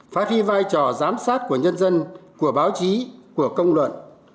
phát huy vai trò giám sát của nhân dân của báo chí của công luận